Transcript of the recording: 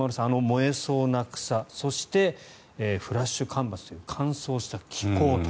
燃えそうな草そしてフラッシュ干ばつという乾燥した気候と。